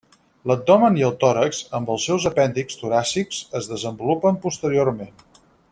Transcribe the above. L'abdomen i el tòrax amb els seus apèndixs toràcics es desenvolupen posteriorment.